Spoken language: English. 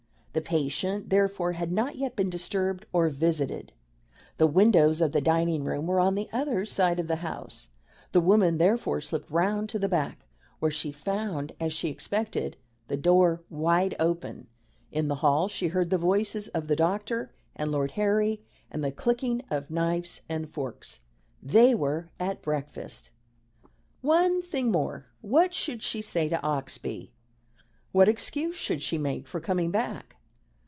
The patient, therefore, had not yet been disturbed or visited. The windows of the dining room were on the other side of the house. The woman therefore slipped round to the back, where she found, as she expected, the door wide open. In the hall she heard the voices of the doctor and Lord Harry and the clicking of knives and forks. They were at breakfast. One thing more What should she say to Oxbye? What excuse should she make for coming back?